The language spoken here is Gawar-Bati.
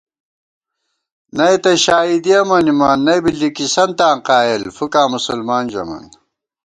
نئ تہ شائیدِیَہ مَنِمان ،نئ بی لِکِسنتاں قایېل ، فُکاں مسلمان ژَمان